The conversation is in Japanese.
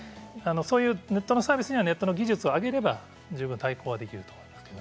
ネットのサービスにはネットの技術を上げれば対抗できると思います。